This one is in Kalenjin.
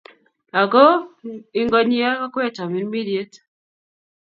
Ago ingonyiiak okwek tamirmiriet.